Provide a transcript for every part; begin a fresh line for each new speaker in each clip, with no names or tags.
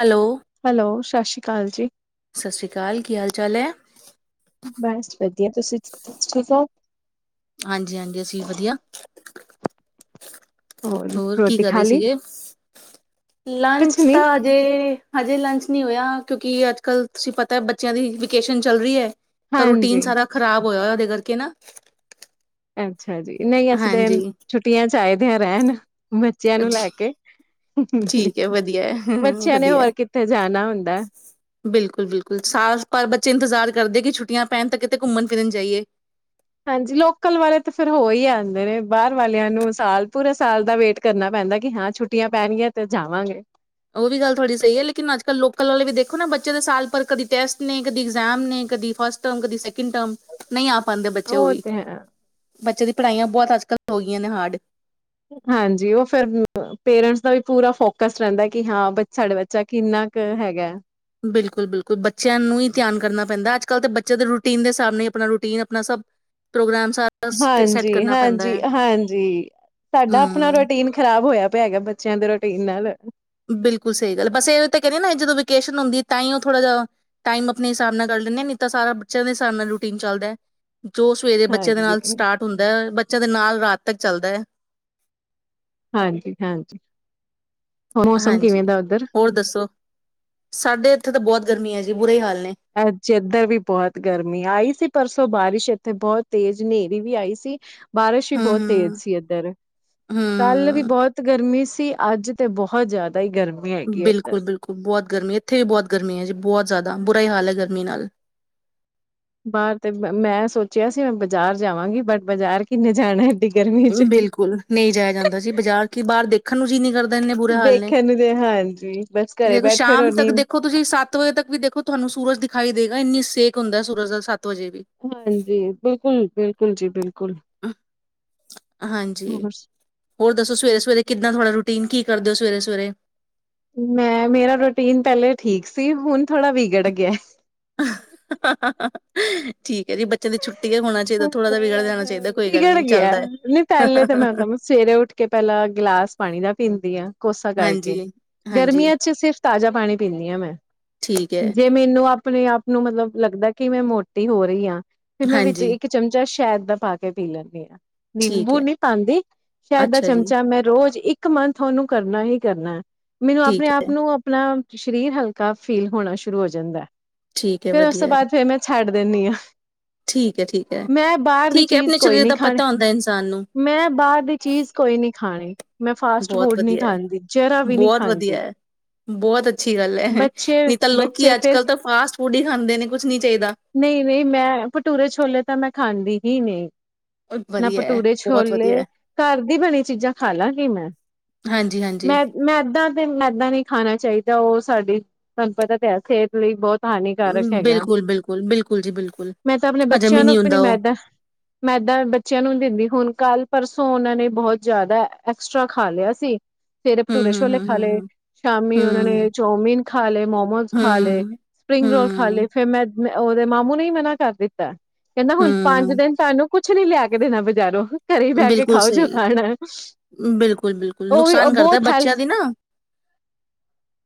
Hello,
hello. ਸਤਿ ਸ਼੍ਰੀ ਅਕਾਲ ਜੀ।
ਸਤਿ ਸ੍ਰੀ ਅਕਾਲ ਕੀ ਹਾਲ ਚਾਲ ਹੈ।
ਬਸ ਵਧੀਆ ਤੁਸੀਂ ਠੀਕ ਹੋ।
ਹਾਂਜੀ ਹਾਂਜੀ ਅਸੀਂ ਵੀ ਵਧੀਆ। ਹੋਰ ਕੀ
ਰੋਟੀ
ਕਰ
ਖਾ
ਰਹੇ
ਲਈ
ਸੀਗੇ
ਕੁਛ
ਲੰਚ
ਨੀ
ਤਾਂ ਹਜੇ। ਹਜੇ ਲੰਚ ਨਹੀਂ ਹੋਇਆ ਕਿਉਂਕਿ ਅੱਜ ਕੱਲ੍ਹ ਤੁਸੀਂ ਪਤਾ ਬੱਚਿਆਂ ਦੀ ਵੇਕੇਸ਼ਨ ਚੱਲ ਰਹੀ ਹੈ। ਤਾਂ ਰੂਟੀਨ
ਹਾਂਜੀ।
ਸਾਰਾ ਖਰਾਬ। ਹੋਇਆ ਆ ਉਹਦੇ ਕਰਕੇ ਨਾ।
[unintelligible] ਅੱਛਾ ਜੀ ਨਹੀਂ ਇਸ ਦਿਨ
ਹਾਂਜੀ।
ਛੁੱਟੀਆਂ ਚ। ਚਾਹੀਦੇ ਆ ਰਹਿਣ। ਬੱਚਿਆਂ ਨੂੰ ਲੈ ਕੇ
ਠੀਕ ਹੈ ਵਧੀਆ ਹੈ
ਬੱਚਿਆਂ ਨੇ ਹੋਰ ਕਿੱਥੇ ਜਾਣਾ ਹੁੰਦਾ ਹੈ।
ਬਿਲਕੁੱਲ ਬਿਲਕੁੱਲ ਸਾਫ਼ ਪਰ ਬੱਚੇ ਇੰਤਜ਼ਾਰ ਕਰਦੇ ਕਿ ਛੁੱਟੀਆਂ ਪੈਣ ਤਾਂ ਕਿਤੇ ਘੁੰਮਣ ਫਿਰਨ ਜਾਈਏ
ਹਾਂਜੀ ਲੋਕਲ ਵਾਲੇ ਤਾਂ ਫਿਰ ਹੋ ਹੀ ਆਂਦੇ ਨੇ ਬਾਹਰ ਵਾਲਿਆਂ ਨੂੰ ਸਾਲ ਪੂਰਾ ਸਾਲ ਦਾ ਵੇਟ ਕਰਨਾ ਪੈਂਦਾ ਕਿ ਹਾਂ ਛੁੱਟੀਆਂ ਪੈਣਗੀਆਂ ਤੇ ਜਾਵਾਂਗੇ
ਉਹ ਵੀ ਗੱਲ ਥੋੜ੍ਹੀ ਸਹੀ ਹੈ ਲੇਕਿਨ ਅੱਜ ਕੱਲ ਲੋਕਲ ਵਾਲੇ ਵੀ ਦੇਖੋ ਨਾ ਬੱਚੇ ਦੇ ਸਾਲ ਭਰ ਕਦੇ ਟੈਸਟ ਨੇ ਕਦੀ ਇਗਜ਼ਾਮ ਨੇ ਕਦੀ ਫਸਟ ਟਰਮ ਕਦੀ ਸੈਕੰਡ ਟਰਮ ਨਹੀਂ ਪਾਉਂਦੇ ਬੱਚੇ ਉਹ ਵੀ
ਤੇ ਹੈ।
ਬੱਚਿਆਂ ਦੀ ਪੜ੍ਹਾਈਆਂ ਬਹੁਤ ਅੱਜ ਕੱਲ੍ਹ ਹੋ ਗਈਆਂ ਨੇ ਹਾਰਡ
ਹਾਂਜੀ ਓਹ ਫਿਰ ਪੇਰੈਂਟਸ ਦਾ ਵੀ ਪੂਰਾ ਫੋਕਸ ਰਹਿੰਦਾ ਕਿ ਹਾਂ ਸਾਡੇ ਬੱਚਾ ਕਿੰਨਾ ਕੇ ਹੈਗਾ
ਬਿਲਕੁੱਲ ਬਿਲਕੁੱਲ ਬੱਚਿਆਂ ਨੂੰ ਹੀ ਧਿਆਨ ਕਰਨਾ ਪੈਂਦਾ ਅੱਜ ਕੱਲ੍ਹ ਤਾਂ ਬੱਚੇ ਦੇ ਰੂਟੀਨ ਦੇ ਹਿਸਾਬ ਨਾਲ ਹੀ ਆਪਣਾ ਰੂਟੀਨ ਆਪਣਾ ਸਭ ਪ੍ਰੋਗਰਾਮ ਸਾਰਾ ਸੈੱਟ ਕਰਨਾ ਪੈਂਦਾ ਹੈ
ਹਾਂਜੀ-ਹਾਂਜੀ-ਹਾਂਜੀ ਸਾਡਾ ਆਪਣਾ
ਹਮ।
ਰੋਟੀਨ ਖ਼ਰਾਬ ਹੋਇਆ ਪਿਆ ਹੈਗਾ ਬੱਚਿਆਂ ਦੇ ਰੋਟੀਨ ਨਾਲ
ਬਿਲਕੁੱਲ ਸਹੀ ਗੱਲ ਬਸ ਇਹ ਤਾਂ ਕਹਿੰਦੇ ਨਾ ਜਦੋਂ ਵੇਕੇਸ਼ਨ ਹੁੰਦੀ ਐ ਤਾਂ ਹੀ ਓ ਥੋੜ੍ਹਾ ਜਿਹਾ ਟਾਈਮ ਆਪਣੇ ਹਿਸਾਬ ਨਾਲ ਕੱਢ ਲੈਂਨੇ ਆ ਨਹੀਂ ਤਾਂ ਸਾਰਾ ਬੱਚਿਆਂ ਦੇ ਹਿਸਾਬ ਨਾਲ ਰੂਟੀਨ ਚੱਲਦਾ ਐ ਜੋ ਸਵੇਰੇ ਬੱਚਿਆਂ ਦੇ
ਹਾਂਜੀ।
ਨਾਲ ਸਟਾਰਟ ਹੁੰਦਾ ਬੱਚਿਆਂ ਦੇ ਨਾਲ ਰਾਤ ਤੱਕ ਚੱਲਦਾ ਆ
ਹਾਂਜੀ-ਹਾਂਜੀ
ਹਾਂਜੀ ਹੋਰ ਦੱਸੋ ਸਾਡੇ ਇੱਥੇ ਤਾਂ ਬਹੁਤ ਗਰਮੀਆਂ ਜੀ ਬੁਰੇ ਈ ਹਾਲ ਨੇ
ਅੱਜ ਇੱਧਰ ਵੀ ਬਹੁਤ ਗਰਮੀ ਆਈ ਸੀ ਪਰਸੋਂ ਬਾਰਿਸ਼ ਇੱਥੇ ਬਹੁਤ ਤੇਜ਼ ਹਨੇਰੀ ਵੀ ਆਈ ਸੀ ਬਾਰਿਸ਼ ਵੀ
ਹਮ
ਬਹੁਤ ਤੇਜ਼
ਹਮ
ਸੀ ਇੱਧਰ ਕੱਲ ਵੀ
ਹਮ।
ਬਹੁਤ ਗਰਮੀ ਸੀ ਤੇ ਅੱਜ ਤੇ ਬਹੁਤ ਜ਼ਿਆ
ਬਿਲਕੁੱਲ ਬਿਲਕੁੱਲ ਬਹੁਤ ਗਰਮੀ ਇੱਥੇ ਵੀ ਬਹੁਤ ਗਰਮੀ ਐ ਜੀ ਬਹੁਤ ਜ਼ਿਆਦਾ ਬੇ ਹਾਲ ਹੈ ਗਰਮੀ ਨਾਲ
ਬਾਹਰ ਤੇ ਮੈਂ ਸੋਚਿਆ ਸੀ ਮੈਂ ਬਾਜ਼ਾਰ ਜਾਵਾਂਗੀ ਬਟ ਬਾਜ਼ਾਰ ਕਿੰਨੇ ਜਾਣਾ- ਗਰਮੀ ਚ।
ਬਿਲਕੁੱਲ ਨਹੀਂ ਜਾਇਆ ਜਾਂਦਾ ਜੀ ਬਾਜ਼ਾਰ ਕੀ ਬਾਹਰ ਦੇਖਣ ਨੂੰ ਜੀਅ ਨੀ ਕਰਦਾ ਇੰਨੇ ਬੁਰੇ ਹਾਲ ਨੇ
ਦੇਖਣ ਨੂੰ ਤੇ ਹਾਂਜੀ ਬਸ ਘਰੇ
ਦੇਖੋ
ਬੈਠੇ ਰਹੋ
ਸ਼ਾਮ ਤੱਕ
ਨੀਮ
ਦੇਖੋ ਤੁਸੀਂ ਸੱਤ ਵਜੇ ਤੱਕ ਵੀ ਦੇਖੋ ਤੁਹਾਨੂੰ ਸੂਰਜ ਦਿਖਾਈ ਦੇ ਗਾ ਇੰਨੀ ਸੇਕ ਹੁੰਦਾ ਸੂਰਜ ਦਾ ਸੱ
ਹਾਂਜੀ ਬਿਲਕੁੱਲ-ਬਿਲਕੁੱਲ ਜੀ ਬਿਲ
ਹਾਂਜੀ
ਹੋਰ
ਹੋਰ ਦੱਸੋ ਸਵੇਰੇ ਸਵੇਰੇ ਕਿੱਦਾਂ ਤੁਹਾਡਾ ਰੂਟੀਨ ਕੀ ਕਰਦੇ ਹੋ ਸਵੇਰੇ [inaudible]
ਮੈਂ ਮੇਰਾ ਰੂਟੀਨ ਪਹਿਲੇ ਠੀਕ ਸੀ ਹੁਣ ਥੋੜਾ ਵਿਗੜ ਗਿਆ-
[inaudible] ਠੀ ਜਾਣਾ ਚਾਹੀਦਾ ਕੋਈ ਗੱਲ
ਵਿਗੜ
ਨਹੀਂ
ਗਿਆ
ਚੱਲਦਾ ਹੈ
ਨਹੀਂ ਪਹਿਲੇ ਤਾਂ ਮਤਲਬ ਸਵੇਰੇ ਉੱਠ ਕੇ ਪਹਿਲਾਂ ਗਿਲਾਸ ਪਾਣੀ ਦਾ ਪੀਂਦੀ ਆ ਕੋਸਾ
ਹਾਂਜੀ
ਕਰਕੇ
ਹਾਂਜੀ
ਗਰਮੀਆਂ ਚ ਸਿਰਫ ਤਾਜ਼ਾ ਪਾਣੀ ਪੀਂਨੀ ਆ ਮੈਂ
ਠੀਕ ਹੈ
ਜੇ ਮੈਨੂੰ ਆ ਆਪਣੇ ਆਪ ਨੂੰ ਮਤਲਬ ਲੱਗਦਾ ਕਿ ਮੈਂ ਮੋਟੀ ਹੋ ਰਹੀ ਆ ਫਿਰ ਮੈਂ ਵਿਚ
ਹਾਂਜੀ
ਇੱਕ ਚਮਚਾ ਸ ਸ਼ਹਿਦ ਦਾ ਪਾ ਕੇ ਪੀ ਲੈਨੀ ਆ
ਠੀਕ
ਨਿੰਬੂ
ਹੈ
ਨਹੀਂ ਪਾਉਂਦੀ। ਸ਼ਹਿਦ ਦਾ
ਅੱਛਾ ਜੀ
ਚਮਚਾ ਮੈਂ ਰੋਜ਼ ਇੱਕ ਇੱਕ ਮਨ ਤੁਨੂੰ ਕਰਨਾ ਹੀ ਕਰਨਾ ਹ। ਮੈਨੂੰ ਆਪਣੇ
ਠੀਕ ਹੈ,
ਆਪ ਨੂੰ ਆਪਣਾ ਸਰੀਰ ਹਲਕਾ ਫੀਲ ਹੋਣਾ ਸ਼ੁਰੂ ਹੋ ਜਾਂਦਾ ਅ।
ਠੀਕ ਹੈ,
ਫੇਰ ਉਸ ਤੋਂ
ਵਧੀਆ ਹੈ,
ਬਾਅਦ ਫੇਿਰ ਮੈਂ ਛੱਡ ਦ ਦਿੰਦੀ ਹਾਂ
ਠੀਕ ਹੈ, ਠੀਕ ਹੈ,
ਮੈਂ ਬਾਹਰ ਦੀ
ਠੀਕ ਹੈ,
ਚੀਜ਼
ਆਪਣੇ
ਕੋਈ
ਸਰੀਰ
ਨੀ
ਦਾ
ਖਾਣੀ
ਪਤਾ ਹੁੰਦਾ ਇਨਸਾਨ ਨੂੰ
ਮੈਂ ਬਾਹਰ ਦੀ ਚੀਜ਼ ਕੋਈ ਨਹੀ ਖਾਣੀ। ਮੈਂ ਫਾਸਟ
ਬਹੁਤ
ਫੂਡ ਨਹੀਂ
ਵਧੀਆ ਹੈ,
ਖਾਂਦੀ ਜਰਾ ਵੀ ਨਹੀਂ
ਬਹੁਤ
ਖਾਂਦੀ
ਵਧੀਆ ਬਹੁਤ ਅੱਛੀ ਗੱਲ ਹੈ
ਬੱਚੇ
ਨਹੀਂ ਤਾਂ ਲੋਕੀ
ਬੱਚੇ
ਅੱਜ
ਫਿਰ
ਕੱਲ੍ਹ ਤਾਂ ਫਾਸਟ ਫੂਡ ਹੀ ਖਾਂਦੇ ਨੇ ਕੁਛ ਨੀ ਚਾਹੀਦਾ।
ਨਹੀਂ ਨਹੀਂ ਮੈਂ ਭਟੂਰੇ ਛੋਲੇ ਤਾਂ ਮੈਂ ਖਾਂਦੀ ਹੀ ਨਹੀਂ।
ਉਹ
ਨਾ
ਵਧੀਆ ਹੈ,
ਭਟੂਰੇ
ਬਹੁਤ ਵਧੀਆ
ਛੋਲੇ
ਹੈ,
ਘਰ ਦੀ ਬਣੀ ਚੀਜ਼ਾਂ ਖਾ ਲਾਂਗੀ ਮੈਂ
ਹਾਂਜੀ ਹਾਂਜੀ।
ਮੈ ਮੈਦਾਾਂ ਤੇ ਮੈਦਾ ਨਹੀਂ ਖਾਣਾ ਚਾਹੀਦਾ ਜਾਂ ਉਹ ਸਾਡੀ ਤੁਹਾਨੂੰ ਪਤਾ ਤੇ ਹੈ। ਸਿਹਤ ਲਈ ਬਹੁਤ ਹਾਨੀਕਾਰਕ ਹੈਗਾ
ਬਿਲਕੁਲ, ਬਿਲਕੁਲ, ਬਿਲਕੁਲ ਜੀ ਬਿਲਕੁਲ।
ਮੈਂ ਤਾਂ ਆਪਣੇ
ਹਜਮ
ਬੱਚਿਆਂ
ਹੀ
ਨੂੰ
ਨਹੀਂ
ਵੀ ਨੀ
ਹੁੰਦਾ ਉਹ
ਮੈਦਾ ਮੈਦਾ ਬੱਚਿਆਂ ਨੂੰ ਨੀ ਦਿੰਦੀ ਹੁਣ ਕੱਲ ਪਰਸੋਂ ਉਹਨਾਂ ਨੇ ਬਹੁਤ ਜ਼ਿਆਦਾ ਐਕਸਟਰਾ ਖਾ ਲਿਆ ਸੀ। ਸਵੇਰੇ
ਹੂੰ
ਭਟੂਰੇ ਛੋਲੇ
ਹੂੰ ਹੂੰ
ਖਾ ਲਏ
ਹੂੰ
ਸ਼ਾਮੀ ਉਹਨਾ
ਹੂੰ
ਨੇ ਚੌਮਿਨ ਖਾਲ ਲ ਮੋਮੋਜ ਖਾ ਲੈ,
ਹੂੰ
ਸਪ੍ਰਿੰਗ ਰੋਲ ਖਾ
ਹੂੰ
ਲੈ ਫੇਮੈਸ ਉਹਦੇ ਮਾਮੂ ਨਹੀਂ ਮਨਾ ਕਰ ਦਿੱਤਾ। ਕਹਿੰਦਾ ਹੁਣ ਪੰਜ
ਹੂੰ
ਦਿਨ ਸਾਨੂੰ ਕੁਛ ਨੀ ਲਿਆ ਕੇ ਦੇਣਾ ਬਜ਼ਾਰੋਂ। ਕਰ ਬਹਿ ਕੇ
ਬਿਲਕੁਲ
ਖਾਓ ਜੋੋ
ਸਹੀ
ਖਾਣਾ
ਬਿਲਕੁਲ, ਬਿਲਕੁਲ,
ਉਹ ਵੀ
ਨੁਕਸਾਨ ਕਰਦਾ
ਬਹੁਤ ਹੈਲਥ
ਬੱਚਿਆਂ ਦੀ ਨਾ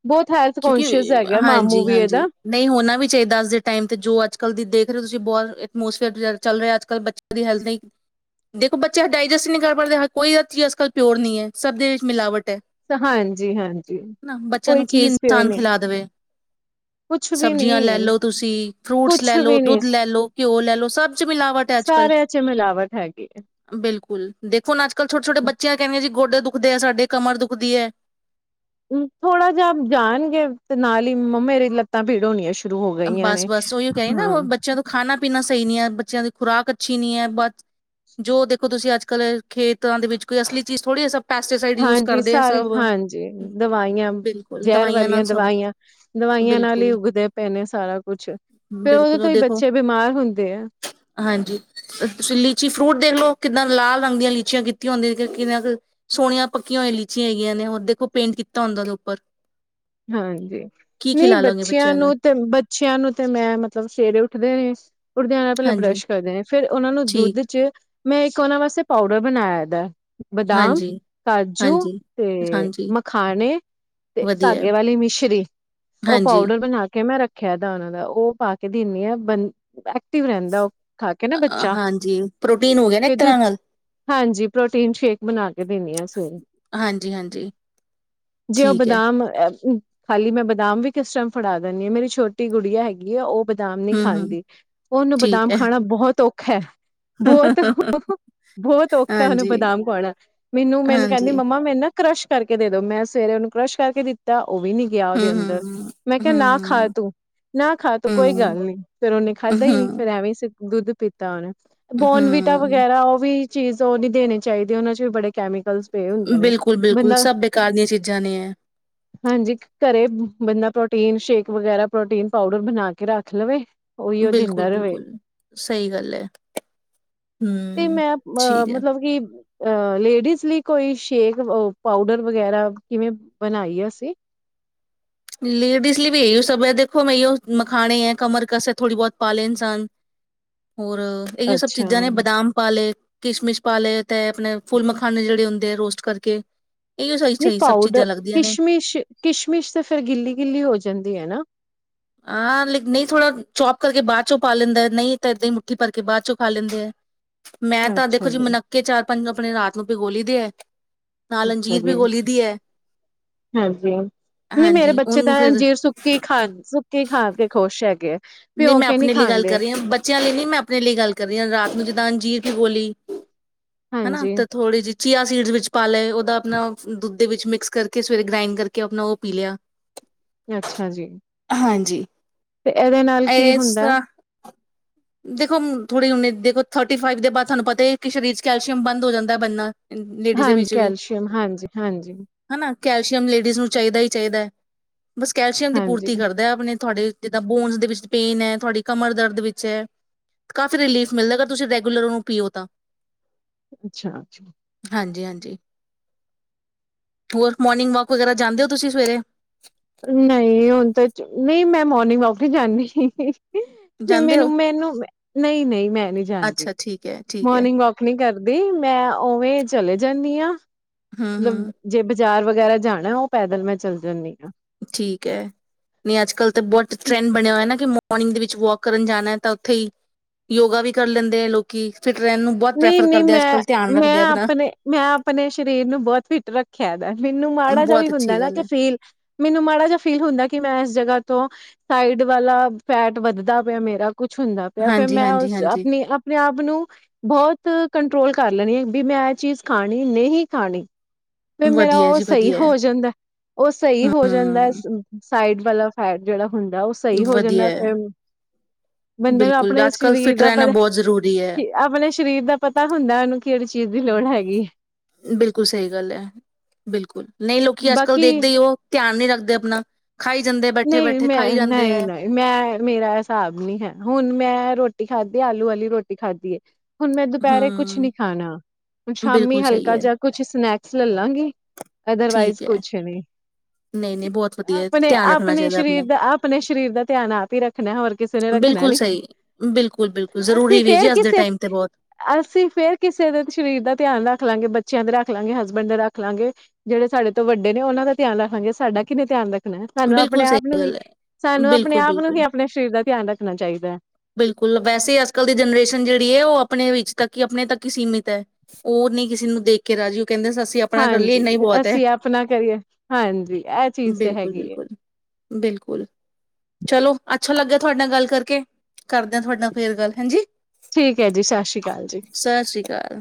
ਬਹੁਤ ਹੈਲਥ
ਕਿਉਂਕਿ
ਕੌਨਸ਼ੀਅਸ ਹੈਗਾ ਮਾਮੂ
ਹਾਂਜੀ,
ਵੀ ਇਹਦਾ
ਹਾਂਜੀ। ਨਹੀਂ ਹੋਣਾ ਵੀ ਚਾਹੀਦਾ ਅੱ ਦੇ ਟਾਈਮ ਤੇ ਜੋ ਅੱਜ ਕਲ ਦੀ ਦੇਖ ਤੁਸੀਂ ਬਹੁਤ ਐਟਮੋਸਫੇਅਰ ਚੱਲ ਰਿਹਾ ਅੱਜ ਕੱਲ ਬੱਚਿਆਂ ਦੀ ਹੈਲਥ ਨਹੀਂ ਦੇਖੋ ਬੱਚੇ ਡਾਇਜੈਸਟ ਨਹੀਂੀ ਕਰ ਪਾਦੇ ਕੋਈ ਅੱਜ ਕੱਲ ਪਿਰ ਨਹੀਂ ਹੈ। ਸਰਭ ਦੇ ਵਿੱਚ ਮਿਲਾਵਟ
ਹਾਂਜੀ ਹਾਂਜੀ
ਬੱਚਿਆਂ
ਕੋਈ
ਨੂੰ ਕੀ
ਚੀਜ਼ ਪਿਓ
ਇਨਸਾਨ
ਨੀ
ਖਿਲਾ ਦੇਵੇ
ਕੁਛ ਵੀ
ਸਬਜ਼ੀਆਂ ਲੈ
ਨੀ
ਲੋ ਤੁਸੀਂ। ਫਰੂਟਸ
ਕੁਛ
ਲੈ ਲੋ,
ਵੀ ਨੀ
ਦੁੱਧ ਲੈ ਲੋ। ਘਿਓ ਲੈ ਲੋ, ਸਭ ਚ ਮਿਲਾਵਟ ਹੈ ਅੱਜ ਕਲ
ਸਾਰਿਆਂ ਚ ਮਿਲਾਵਟ ਹੈਗੀ ਹੈ
ਬਿਲਕੁਲ ਦੇਖੋੁ ਅੱਜਕੱਲ ੋਟ ਛੋੇ ਬਿਆਂ ਕਹਦੇ ਜ ਗੋਡ ਨੂੰ ਦੁਖਦੇ ਹੈ। ਸਾਡੇ ਕਮਰ ਦੁਖਦੀ ਹੈ।
ਥੋੜਾ ਜਿਹਾ ਜਾਣਗੇ। ਤੇ ਨਾਲ ਹੀ ਮੇਰੇ ਲੱਤਾਂ ਭੀੜ ਹੋਣੀੀਆਂ।
ਬਸ, ਬਸ ਉਹੀਓ ਕਹਿ ਨਾ ਬੱਚਿਆਂ ਤੋਂ ਖਾਣਾ ਪੀਣਾ ਸਹੀ ਨੀ ਹੈ। ਬੱਚਿਆਂ ਦੀ ਖੁਰਾਕ ਅੱਛੀ ਨੀ ਹੈ ਬਸ ਜੋ ਦੇਖੋ ਤੁਸੀਂ ਅੱਜ ਕੱਲ੍ਹ ਖੇਤਾਂ ਦੇ ਵਿੱਚ ਕੋਈ ਅਸਲੀ ਚੀਜ਼ ਥੋੜ੍ਹੀ ਜ
ਹਾਂਜੀ ਸਾਰੇ ਹਾਂਜੀ ਦਵਾਈਆਂ
ਬਿਲਕੁਲ
ਜ਼ਹਿਰ
ਦਵਾਈਆਂ
ਵਾਲੀਆਂ
ਨਾਲ ਸਭ
ਦਵਾਈਆਂ ਦਵਾਈਆਂ ਨਾਲ ਹੀ
ਬਿਲਕੁਲ
ਉਗਦੇ ਪਏ ਨੇ ਸਾਰਾ ਕੁਛ ਫੇਰ ਉਹਦੇ
ਬਿਲਕੁਲ
ਤੋਂ
ਉਹ
ਹੀ
ਦੇਖੋ
ਬੱਚੇ ਬਿਮਾਰ ਹੁੰਦੇ ਆ
ਹਾਂਜੀ ਤੁਸੀਂ ਲੀਚੀ ਫਰੂਟ ਦੇਖ ਲਓ ਕਿੱਦਾਂ ਲਾਲ ਰੰਗ ਦੀਆਂ ਲੀਚੀਆਂ ਕੀਤੀਆਂ ਹੁੰਦੀਆਂ ਨੇ ਕਿੰਨਾ ਕੁ ਸੋਹਣੀਆਂ ਪੱਕੀਆਂ ਹੋਈਆਂ ਲੀਚੀਆਂ ਹੈ, ਗੀਆਂ ਨੇ ਉਹ ਦੇਖੋ ਪੇਂਟ ਕੀਤਾ ਹੁੰਦਾ ਉਹਦੇ ਉੱਪਰ
ਹਾਂਜੀ
ਕੀ
ਨਹੀਂ
ਖਿਲਾ ਲਾਂਗੇ
ਬੱਚਿਆਂ ਨੂੰ ਤੇ ਬ ਬਚੀਆਂ ਨੂੰ ਤੇ ਮੈਂ ਮਤਲਬ ਸਵੇਰੇ ਉੱਠਦੇ ਨੇ ਉਡਦੇ ਨਾਲ ਪਹਿਲਾਂ
ਹਾਂਜੀ
ਬਰੱਸ਼ ਕਰਦੇ ਨੇ ਫਿਰ ਉਹਨਾਂ ਨੂੰ ਦੁੱਧ
ਠੀਕ
ਚ ਮੈਂ ਇੱਕ ਉਹਨਾਂ ਵਾਸਤੇ ਪਾਊਡਰ ਬਣਾਇਦਾ ਬਦਾਮ
ਹਾਂਜੀ
ਕਾਜੂ
ਹਾਂਜੀ
ਤੇ
ਹਾਂਜੀ
ਮਖਾਣੇ ਤੇ
ਵਧੀਆ ਹੈ।
ਧਾਕੇ ਵਾਲੀ ਮਿਸ਼ਰੀ ਉਹ
ਹਾਂਜੀ
ਪਾਊਡਰ ਬਣਾ ਕੇ ਮੈਂ ਰੱਖਿਆ ਦਾ ਉਹਨਾ ਦਾ ਉਹ ਪਾ ਦਦੀ ਆ ਬੰ ਰਹਿੰਦਾ ਉਹ ਖਾ ਕੇ ਨਾ
ਅ,
ਬੱਚਾ
ਹਾਂਜੀ ਪ੍ਰੋਟੀਨ ਹੋ ਗਿਆ ਨਾ
ਫ
ਇੱਕ
ਦੁ
ਤਰ੍ਹਾਂ ਨਾਲ
ਹਾਂਜੀ ਪ੍ਰੋਟੀਨ ਸ਼ੇਕ ਬਣਾ ਕੇ ਦੇਣੀ ਆ ਸਵੇਰੇ
ਹਾਂਜੀ ਹਾਂਜੀ
ਜੇ ਉਹ
ਠੀਕ ਹੈ
ਬਦਾਮ ਖਾਲੀ ਮੈਂ ਬਦਾਮ ਵੀ ਕਿਸ ਟਾਈਮ ਫੜਾ ਦਿੰਦੀ ਹਾਂ ਮੇਰੀ ਛੋਟੀ ਗੁੜੀਆ ਹੈਗੀ ਆ ਉਹ ਬਦਾਮ ਨਹੀਂ
ਹੂੰ ਹੂੰ
ਖਾਂਦੀ ਉਹਨੂੰ ਬਦਾਮ
ਠੀਕ
ਖਾਣਾ ਬਹੁਤ ਔਖਾ ਖੇਰ ਬਹੁਤ,
ਹੈ
ਬਹੁਤ ਔਖਾ ਉਹਨੂੰ
ਹਾਂਜੀ,
ਬਦਾਮ ਖਵਾਉਣਾ ਮੈਨੂ, ਮੈਨੂੰ ਕਹਿੰਦੀ
ਹਾਂਜੀ,
ਮੰਮਾ ਮੈ ਨਾ ਕ੍ਰਸ਼ ਕਰਕੇ ਦੇ ਦੋ ਮੈਂ ਸਵੇਰੇ ਉਹਨੂੰ ਕ੍ਰਸ਼ ਕਰਕੇ ਦਿੱਤ ਉਹ ਵੀ ਨੀ ਗਿਆ ਉਹਦੇ
ਹੂੰ,
ਅੰਦਰ
ਹੂੰ,
ਮੈਂ ਕਿਹਾ ਨਾ ਖਾ
ਹੂੰ,
ਤੂੰ ਨਾ ਖਾ ਤੂੰ ਕੋਈ ਗੱਲ ਨੀ ਫੇਰ ਉਹਨੇ ਖਾਧਾ ਹੀ ਨੀ
ਹੂੰ,
ਫੇਰ ਐਵੇਂ ਦੁੱਧ ਪੀਤਾ ਉਹਨੇ ਬੋਨਵੀਟਾ
ਹੂੰ,
ਵਗੈਰਾ ਉਹ ਵੀ ਚੀਜ਼ ਉਹ ਨੀ ਦੇਣੀ ਚਾਹੀਦੀ ਉਹਨਾਂ ਚ ਵੀ ਬੜੇ ਕੈਮੀਕਲ
ਬਿਲਕੁਲ-ਬਿਲਕੁਲ ਸਭ ਬੇਕਾਰ ਦੀਆਂ ਚੀਜ਼ਾਂ ਨੇ ਹੈ
ਹਾਂਜੀ ਘਰੇ ਬੰਦਾ ਪ੍ਰੋਟੀਨ ਸ਼ੇਕ ਵਗੈਰਾ ਪ੍ਰੋਟੀਨ ਪਾਊਡਰ ਬਣਾ ਕੇ ਰੱਖ ਲਵੇ ਉਹੀਓ ਦਿੰਦਾ ਰਵੇ
ਬਿਲਕੁਲ-ਬਿਲਕੁਲ ਸਹੀ ਗੱਲ ਹੈ
ਤੇ
ਹਮ
ਮੈਂ ਅ
ਠੀਕ ਹੈ
ਮਤਲਬ ਕਿ ਅ ਲੇਡੀਜ਼ ਲਈ ਕੋਈ ਸ਼ੇਕ ਪਾਊਡਰ ਵਗੈਰਾ ਕਿਵੇਂ ਬਣਾਈ ਅਸ ਜ- [unintelligible]
ਲੇਡੀਜ਼ ਲਈ ਵੀ ਇਹੀ ਸਭ ਹੈ ਦੇਖੋ ਮੈਂ ਮਖਾਣੇ ਹੈ ਕਮਰ ਕਸ ਹੈ ਥੋੜ੍ਹੀ ਬਹੁਤ ਪਾਲੇ ਇਨਸਾਨ ਹੋਰ ਇਹੀ ਸਭ
ਅੱਛਾ
ਚੀਜ਼ਾਂ ਨੇ
ਨਹੀਂ
ਬਦਾਮ ਪਾ ਲੇ ਕਿਸ਼ਮਿਸ਼ ਪਾ ਲਏ ਤੇ ਆਪਣੇ ਫੁੱਲ ਮਖਾਨੇ ਜਿਹੜੇ ਹੁੰਦੇ ਆ ਰੋਸਟ ਕਰਕੇ ਇਹੀਓ ਸਹੀ
ਨਿ
ਸਹੀ ਸਭ
ਪਾਊਡਰ
ਚੀਜ਼ਾਂ ਲੱਗਦੀਆਂ ਨੇ।
ਕਿਸ਼ਮਿਸ਼, ਕਿਸ਼ਮਿਸ਼ ਤੇ ਫੇਰ ਗਿੱਲੀ-ਗਿੱਲੀ ਹੋ ਜਾਂਦੀ ਹੈ ਨਾ
ਹਾਂ ਨਹੀਂ ਥੋੜ੍ਹਾ ਚੌਪ ਕਰਕੇ ਬਾਅਦ ਚੋਂ ਪਾ ਲੈਂਦਾ ਨਹੀਂ ਤਾਂ ਇਦਾਂ ਮੁੱਠੀ ਭਰ ਕੇ ਬਾਅਦ ਚੋਂ ਪਾ ਲੈਂਦੇ ਹੈ ਮੈਂ ਤਾਂ ਦੇਖੋ
ਅੱਛਾ
ਜੋ
ਜੀ
ਮਨੱਕੇਚ ਆ [unintelligible] ਆਪਣੇ ਰਾਤ ਨੂੰ ਭਿਗੋ ਲਈਦੇ ਹੈ ਨਾਲ ਅੰਜੀਰ
ਜ
ਭਿਗੋਲੀ ਦੀ ਹੈ।
ਹਾਂਜੀ ਨਹੀਂ ਮੇਰੇ
ਹਾਂਜੀ
ਬੱਚੇ
ਉਹਨੂੰ
ਤਾਂ
ਫਿਰ
ਅਨਜੀਰ ਸੁੱਕੀ ਖਾ [unintelligible] ਕੀ ਖਾ ਕੇ ਖੁਸ਼ ਹੈਗੇ
ਨਹੀਂ
ਭਿਉਂ
ਮੈਂ
ਕੇ
ਆਪਣੇ ਲਈ ਗੱਲ
ਖਾਂਦੇ
ਕਰ ਰਹੀ ਹਾਂ ਬੱਚਿਆਂ ਲਈ ਨਹੀਂ ਮੈਂ ਆਪਣੇ ਲਈ ਗੱਲ ਕਰੀ ਹਾਂ ਰਾਤ ਨੂੰ ਅੰਜੀਰ ਦੀ ਗੋਲੀ ਹਨਾ
ਹਾਂਜੀ
ਤਾਂ ਥੋੜੀ ਜਿ ਚੀਆ ਸੀਡਸ ਵਿੱਚ ਪਾ ਲਏ ਉਹਦਾ ਆਪਣਾ ਦੁੱਧ ਦੇ ਵਿੱਚ ਮਿਕਸ ਕਰਕੇ ਸਵੇਰੇ ਗ੍ਰਾਇੰਡ ਕਰਕੇ ਆਪਣਾ ਉਹ ਪੀ ਲਿਆ
ਅੱਛਾ ਜੀ
ਹਾਂਜੀ
ਤੇ ਇਹਦੇ ਨਾਲ ਕੀ
ਇਸ
ਹੁੰਦਾ
ਤਰ੍ਹਾਂ ਦੇਖੋ ਥੋੜ੍ਹੀ ਹੁਨ ਦੇਖੋ ਥਰਟੀ ਫਾਈਵ ਦੇ ਬਾਅਦ ਤੁਹਾਨੂੰ ਪਤਾ ਹੀ ਹੈ ਕਿ ਸਰੀਰ ਚ ਕੈਲਸ਼ੀਅਮ ਬੰਦ ਹੋ ਜਾਂਦਾ ਹੈ ਬਨਣਾ
ਹਾਂਜੀ ਕੈਲਸ਼ੀਅਮ ਹਾਂਜੀ ਹਾਂਜੀ
ਹਨਾ ਕੈਲਸ਼ੀਅਮ ਲੇਡੀਜ਼ ਨੂੰ ਚਾਹੀਦਾ ਹੀ ਚਾਹੀਦਾ ਹੈ ਬਸ ਕੈਲਸ਼ੀਅਮ ਦੀ
ਹਾਂਜੀ
ਪੂਰਤੀ ਕਰਦਾ ਆਪਣੇ ਤੁਹਾਡੇ ਜਿੱਦਾਂ ਬੋਨਸ ਦੇ ਵਿੱਚ ਪੇਨ ਹੈ ਤੁਹਾਡੀ ਕਮਰ ਦਰਦ ਵਿੱਚ ਹੈ ਕਾਫੀ ਰਿਲੀਫ਼ ਮਿਲਦਾ ਅਗਰ ਤੁਸੀਂ ਰੈਗੂਲਰ ਓਨੂੰ ਪੀਓ ਤਾਂ
ਅੱਛਾ ਅੱਛਾ
ਹਾਂਜੀ ਹਾਂਜੀ ਹੋਰ ਮੋਰਨਿੰਗ ਵਾਕ ਵਗੈਰਾ ਜਾਂਦੇ ਹੋ ਤੁਸੀਂ ਸਵੇਰੇ
ਨਹੀਂ ਹੁਣ ਤਾਂ ਨਹੀਂ ਮੈਂ ਮੋਰਨਿੰਗ ਵਾਕ ਹੀ ਜਾਂਦੀ
ਜਾਂਦੇ ਹੋ
ਮੈਨੂੰ ਮੈਨੂੰ ਨਹੀਂ ਨਹੀਂ ਮੈਂ ਨੀ ਜਾਦੀ
ਅੱਛਾ ਠੀਕ ਹੈ ਠੀਕ ਹੈ
ਮੋਰਨਿੰਗ ਵਾਕ ਨਹੀਂ ਕਰਦੀ ਨਹੀਂ ਮੈਂ ਓਵੇਂ ਚਲੇ ਜਾਂਦੀ ਹਾਂ
ਹੂੰ
ਮਤਲਬ
ਹੂੰ
ਜੇ ਬਾਜ਼ਾਰ ਵਗੈਰਾ ਜਾਣਾ ਉਹ ਪੈਦਲ ਮੈਂ ਚੱਲ ਜਾਂਦੀ ਹਾਂ।
ਠੀਕ ਹੈ ਨਹੀਂ ਅੱਜ ਕੱਲ ਤਾਂ ਬਹੁਤ ਟਰੈਂਡ ਬਣਿਆ ਹੋਇਆ ਨਾ ਕਿ ਮੋਰਨਿੰਗ ਦੇ ਵਿੱਚ ਵਾਕ ਕਰਨ ਜਾਣਾ ਤਾਂ ਉੱਥੇ ਹੀ ਯੋਗਾ ਵੀ ਕਰ ਲੈਂਦੇ ਹੈ ਲੋਕੀ ਫਿਟ ਰਹਿਣ ਨੂੰ ਬਹੁਤ
ਨਹੀਂ
ਪ੍ਰੈਫਰ
ਨਹੀਂ
ਕਰਦੇ ਆ ਅੱਜ
ਮੈਂ
ਕੱਲ੍ਹ ਧਿਆਨ
ਮੈਂ
ਰੱਖਦੇ ਆ ਆਪਣਾ
ਆਪਣੇ ਮੈਂ ਆਪਣੇ ਸਰੀਰ ਨੂੰ ਬਹੁਤ ਫਿਟ ਰੱਖਿਆ ਦਾ ਮੈਨੂੰ ਮਾੜਾ ਜਿਹਾ ਵੀ
ਬਹੁਤ
ਹੁੰਦਾ
ਅੱਛੀ
ਨਾ
ਗੱਲ
ਕਿ
ਹੈ
ਫੀਲ ਮੈਨੂੰ ਮਾੜਾ ਜਿਹਾ ਫੀਲ ਹੁੰਦਾ ਕਿ ਮੈਂ ਇਸ ਜਗ੍ਹਾ ਤੋਂ ਸਾਈਡ ਵਾਲਾ ਫੈਟ ਵੱਧਦਾ ਪਿਆ ਮੇਰਾ ਕੁਛ ਹੁੰਦਾ ਪਿਆ ਫਿਰ
ਹਾਂਜੀ
ਮੈਂ
ਹਾਂਜੀ
ਉਸ
ਹਾਂਜੀ
ਆਪਣੀ ਆਪਣੇ ਆਪ ਨੂੰ ਕੰਟਰੋਲ ਕਰ ਲੈਣੀ ਐਂ ਬਈ, ਮੈਂ, ਇਹ ਚੀਜ਼ ਖਾਣੀ ਨਹੀਂ ਖਾਣੀ। ਫਿਰ ਮੇਰਾ
ਵਧੀਆ
ਉਹ
ਜੀ
ਸਹੀ
ਵਧੀਆ ਹੈ।
ਹੋ ਜਾਂਦਾ, ਉਹ ਸਹੀ ਹੋ ਜਾਂਦਾ।
ਹੂੰ
ਸਾਈਡ ਵਾਲਾ ਫੈਟ, ਜਿਹੜਾ ਹੁੰਦਾ ਉਹ ਸਹੀ ਹੋ
ਵਧੀਆ
ਜਾਂਦਾ
ਹੈ
ਫਿਰ, ਬੰਦੇ ਨੂੰ
ਬਿਲਕੁਲ
ਆਪਣੇ
ਅੱਜ ਕੱਲ੍ਹ
ਸਰੀਰ
ਫਿਟ
ਦਾ
ਰਹਿਣਾ
ਪਰ
ਬਹੁਤ ਜ਼ਰੂਰੀ ਹੈ
ਆਪਣੇ ਦਾ ਪਤਾ ਹੁੰਦਾ, ਉਹਨੂੰ ਕਿਹੜੀ ਚੀਜ਼ ਦੀ ਲੋੜ ਹੈਗੀ।
ਬਿਲਕੁਲ ਸਹੀ ਗੱਲ ਐ, ਬਿਲਕੁਲ ਨਹੀਂ ਲੋਕੀ ਅੱਜ- ਕੱਲ
ਬਾਕੀ
ਦੇਖਦੇ ਹੀ ਉਹ ਧਿਆਨ ਨਹੀਂ ਰੱਖ ਕਰਦੇ ਆਪਣਾ ਖਾਈ ਜਾਂਦੇ ਬੈਠੇ
ਨਹੀਂ
ਬੈਠੇ
ਮੈਂ,
ਖਾਈ ਜਾਂਦੇ
ਨਹੀਂ-
ਹੈ
ਨਹੀਂ ਮੈਂ, ਮੇਰਾ ਐ ਹਿਸਾਬ ਨਹੀਂ ਹੈ ਹੁਣ ਮੈਂ, ਰੋਟੀ ਰੋਟੀ ਖਾਧੀ, ਆਲੂ ਵਾਲੀ ਰੋਟੀ ਖਾਧੀ ਏ। ਹੁਣ ਮੈਂ ਦੁਪਹਿਰੇ ਕੁਛ
ਹਮ
ਨੀ ਖਾਣਾ, ਹੁਣ ਸ਼ਾਮੀ
ਬਿਲਕੁਲ ਸਹੀ
ਹਲਕਾ
ਹੈ
ਜਾ ਕੁਛ ਸਨੈਕਸ ਲੈ ਲਾਂਗੀ, ਅਦਰਵਾਈਜ਼
ਠੀਕ ਹੈ
ਕੁਛ ਨਹੀਂ।
ਨਹੀਂ, ਨਹੀਂ, ਬਹੁਤ ਵਧੀਆ ਧਿਆਨ ਰੱਖਣਾ।
ਆਪਣੇ
ਚਾਹੀਦਾ
ਸਰੀਰ
ਆਪਣਾ
ਦਾ, ਆਪਣੇ ਸਰੀਰ ਦਾ ਧਿਆਨ ਆਪ ਹੀ ਰੱਖਣਾ, ਹੋਰ ਕਿਸੇ ਨੇ ਰੱਖਣਾ
ਬਿਲਕੁਲ
ਨੀ।
ਸਹੀ ਬਿਲਕੁਲ ਬਿਲਕੁਲ
ਅਸੀਂ
ਜ਼ਰੂਰੀ ਵੀ ਹੈ
ਫੇਰ
ਜੀ ਅੱਜ ਦੇ
ਕਿਸੇ
ਟਾਈਮ ਤੇ ਬਹੁਤ
ਅਸੀਂ ਫੇਰ, ਕਿਸੇ ਦੇ ਸਰੀਰ ਦਾ ਧਿਆਨ ਰੱਖ ਲਾਂਗੇ ਬ ਬੱਚਿਆਂ ਦੇ ਰੱਖ ਲਾਂਗੇ, ਹਸਬੈਂਡ ਦੇ ਰੱਖ ਲਵਾਂਗੇ, ਜਿਹੜੇ ਸਾਡੇ ਤੋਂ ਵੱਡੇ ਨੇ ਉਹਨਾਂ ਦਾ ਧਿਆਨ ਰੱਖਾਂਗੇ, ਸਾਡਾ ਕਿੰਨੇ ਧਿਆਨ ਰੱਖ ਸਾਨੂੰ ਆਪ- ਆਪਣੇ
ਬਿਲਕੁਲ ਸਹੀ
ਨੂੰ ਹੀ
ਗੱਲ ਹੈ।
ਸਾਨੂੰ ਆਪਣੇ
ਬਿਲਕੁਲ,
ਆਪ ਨੂੰ ਹੀ
ਬਿਲਕੁਲ,
ਆਪਣੇ ਸਰੀਰ ਦਾ ਧਿਆਨ ਰੱਖਣਾ ਚਾਹੀਦਾ ਹੈ,
ਬਿਲਕੁਲ ਵੈਸੇ, ਅੱਜ- ਕੱਲ੍ਹ ਦੀ ਜਨਰੇਸ਼ਨ ਜਿਹੜੀ ਹੈ ਉਹ ਆਪਣੇ ਵਿੱਚ ਤੱਕ, ਆਪਣੇ ਤੱਕ ਹੀ ਸੀਮਿਤ ਹੈ, ਉਹ ਨਹੀਂ ਕਿਸੇ ਨੂੰ ਦੇਖ ਕੇ ਰਾਜੀ। ਕਹਿੰਦੇ ਅਸੀਂ ਆਪਣਾ ਕਰ ਲਈਏ
ਹਾਂਜੀ,
ਇੰਨਾ ਹੀ ਬਹੁਤ ਹੈ
ਅਸੀਂ ਆਪਣਾ ਕਰੀਏ, ਹਾਂਜੀ, ਇਹ ਚੀਜ਼ ਤੇ ਹੈ।
ਬਿਲਕੁਲ,
ਹੈਗੀ
ਬਿਲਕੁਲ- ਬਿਲਕੁਲ ਚਲੋ ਅੱ ਅੱਛਾ ਲੱਗਿਆ ਤੁਹਾਡੇ ਨਾਲ ਗੱਲ ਕਰਕੇ ਕਰਦੇ ਹਾਂ, ਤੁਹਾਡੇ ਨਾਲ ਫੇਰ ਗੱਲ। ਹਾਂਜੀ।
ਠੀਕ ਹੈ ਜੀ। ਸਤਿ ਸ਼੍ਰੀ ਅਕਾਲ ਜੀ।
ਸਤਿ ਸ੍ਰੀ ਅਕਾਲ।